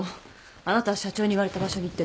あなたは社長に言われた場所に行ってて。